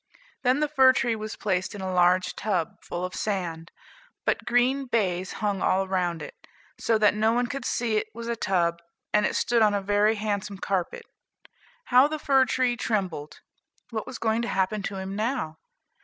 Then the fir tree was placed in a large tub, full of sand; but green baize hung all around it, so that no one could see it was a tub, and it stood on a very handsome carpet. How the fir tree trembled! "What was going to happen to him now?"